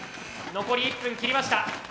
残り１分切りました。